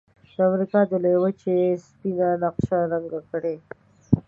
د امریکا د لویې وچې سپینه نقشه رنګ کړئ.